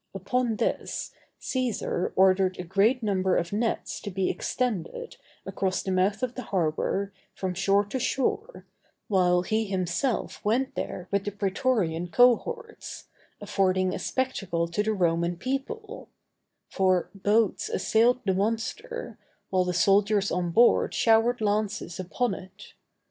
Upon this, Cæsar ordered a great number of nets to be extended across the mouth of the harbor, from shore to shore, while he himself went there with the prætorian cohorts, affording a spectacle to the Roman people; for boats assailed the monster, while the soldiers on board showered lances upon it.